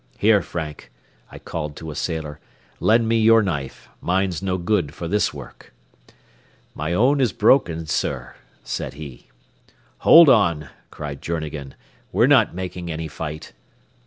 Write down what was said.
Here, Frank," I called to a sailor, "lend me your knife. Mine's no good for this work." "My own is broken, sir," said he. "Hold on," cried Journegan; "we're not making any fight."